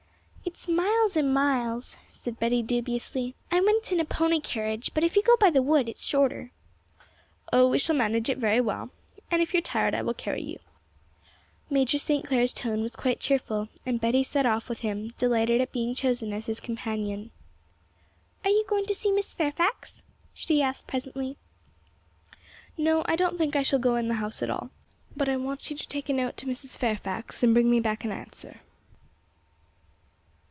'It's miles and miles,' said Betty dubiously; 'I went in a pony carriage, but if you go by the wood it is shorter.' 'Oh, we shall manage it very well, and if you are tired I will carry you.' Major St. Clair's tone was quite cheerful, and Betty set off with him, delighted at being chosen as his companion. 'Are you going to see Miss Fairfax?' she asked presently. 'No, I don't think I shall go into the house at all; but I want you to take a note to Mrs. Fairfax and bring me back an answer.'